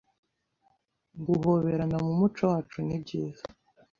Guhoberana mu muco wacu nibyiza